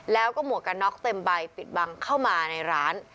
แล้วก็หมวกกันน็อกเต็มใบปิดบังเข้ามาในร้าน